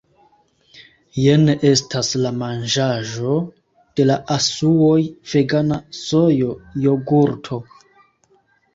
Jen estas la manĝaĵo de la asuoj vegana sojo-jogurto